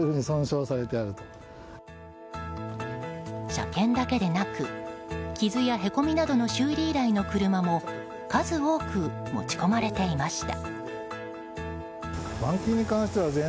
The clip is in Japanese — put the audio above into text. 車検だけでなく傷やへこみなどの修理依頼の車も数多く持ち込まれていました。